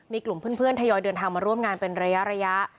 มีกลุ่มเพื่อนทยอยเดินทางมาร่วมงานเป็นระยะ